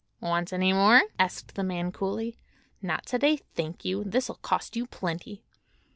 "Want any more?" asked the man coolly. "Not to day, thank you. This'll cost you plenty."